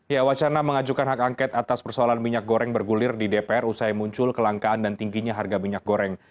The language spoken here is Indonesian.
ya wacana mengajukan hak angket atas persoalan minyak goreng bergulir di dpr usai muncul kelangkaan dan tingginya harga minyak goreng